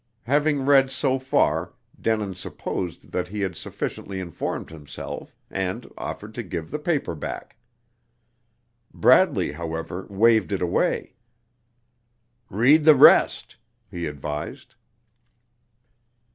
Having read so far, Denin supposed that he had sufficiently informed himself, and offered to give the paper back. Bradley, however, waved it away. "Read the rest," he advised.